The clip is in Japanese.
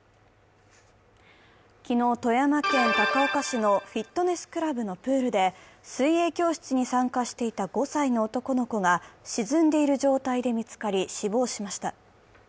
昨日、富山県高岡市のフィットネスクラブのプールで水泳教室に参加していた５歳の男の子が沈んでいる状態で見つかり、死亡しました。